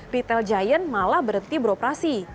retail giant malah berhenti beroperasi